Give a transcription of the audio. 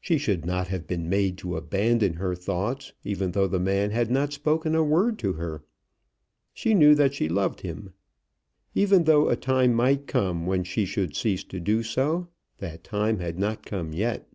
She should not have been made to abandon her thoughts, even though the man had not spoken a word to her. She knew that she loved him; even though a time might come when she should cease to do so, that time had not come yet.